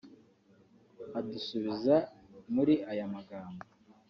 adusubiza muri aya magambo